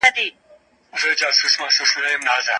د طلاق پريکړه وکړي.